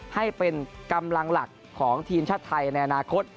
ให้เป็นกำลังหลักของทีมชาติไทยในอนาคต